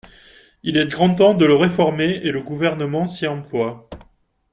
Il est grand temps de le réformer et le Gouvernement s’y emploie.